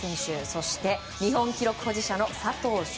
そして、日本記録保持者の佐藤翔